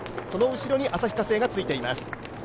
その後ろに旭化成がついています。